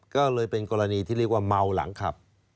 ก็เลยเป็นกรณีที่เรียกว่าเมาหลังขับ